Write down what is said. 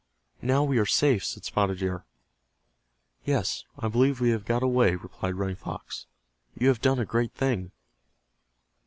"Now we are safe," said Spotted Deer. "Yes, I believe we have got away," replied Running Fox. "You have done a great thing."